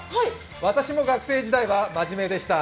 私も学生時代はまじめでした。